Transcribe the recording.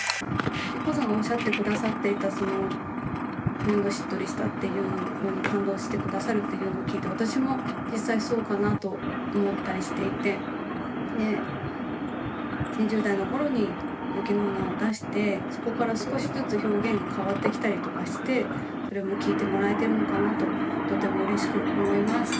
ＩＫＫＯさんがおっしゃって下さっていたその冬のしっとりしたっていうのに感動して下さるっていうのを聞いて私も実際そうかなと思ったりしていてで２０代の頃に「雪の華」を出してそこから少しずつ表現が変わってきたりとかしてそれも聴いてもらえてるのかなととてもうれしく思います。